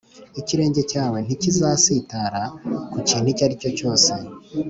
ikirenge cyawe ntikizasitara ku kintu icyo ari cyose